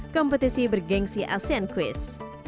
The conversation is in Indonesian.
kompetisi bergensi asean quiz